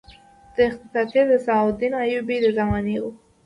دا خطاطي د صلاح الدین ایوبي د زمانې وه.